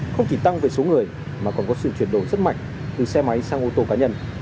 không chỉ tăng về số người mà còn có sự chuyển đổi rất mạnh từ xe máy sang ô tô cá nhân